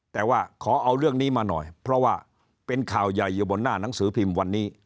แต่ว่าขอเอาเรื่องนี้มาหน่อยเพราะว่าเป็นข่าวใหญ่อยู่บนหน้าหนังสือพิมพ์วันนี้